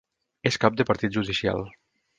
És cap de partit judicial.